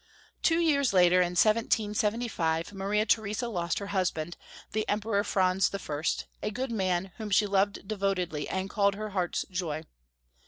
Two years later, in 1775, Maria Theresa lost her husband, the Emperor Franz I., a good man, whom she loved devotedly, and called her heart's joy.